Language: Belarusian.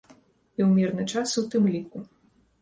І ў мірны час у тым ліку.